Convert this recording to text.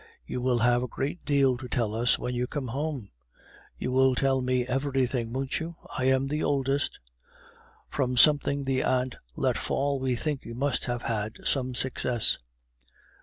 You will have a great deal to tell us when you come home! You will tell me everything, won't you? I am the oldest. From something the aunt let fall, we think you must have had some success.